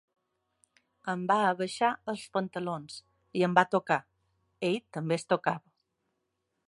Em va abaixar els pantalons i em va tocar, ell també es tocava.